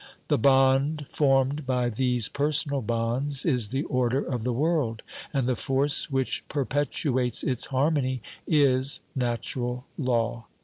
The bond formed by these personal bonds is the order of the world, and the force which perpetuates its harmony is natural law.